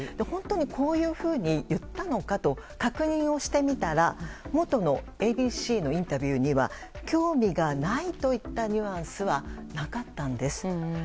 本当にこういうふうに言ったのかと確認をしてみたら元のＡＢＣのインタビューには興味がないといったニュアンスはなかったんです。